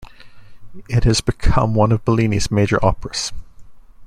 It has become one of Bellini's major operas.